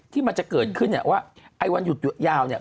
ที่มันจะเกิดขึ้นเนี่ยว่าไอ้วันหยุดยาวเนี่ย